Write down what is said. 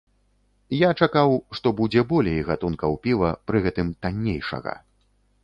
Я чакаў, што будзе болей гатункаў піва, пры гэтым танейшага.